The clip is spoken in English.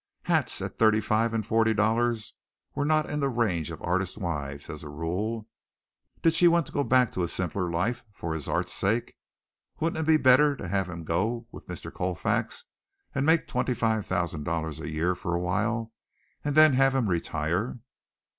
Hats at thirty five and forty dollars were not in the range of artists' wives, as a rule. Did she want to go back to a simpler life for his art's sake? Wouldn't it be better to have him go with Mr. Colfax and make $25,000 a year for a while and then have him retire?